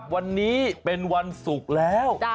วันนี้เป็นวันศุกร์แล้ว